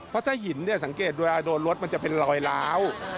เพราะถ้าหินสังเกตดูรถมันจะเป็นลอยร้ำ